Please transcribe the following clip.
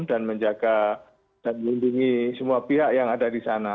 menjaga dan melindungi semua pihak yang ada di sana